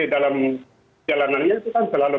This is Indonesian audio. dalam jalanannya itu kan selalu